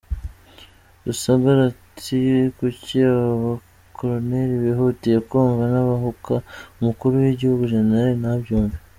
Rusagara Ati “…kuki aba ba koloneri bihutiye kumva nubahuka umukuru w’igihugu General ntabyumve?”.